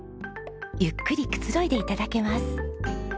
ゆっくりくつろいで頂けます。